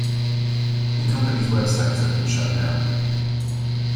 The company's websites have been shut down.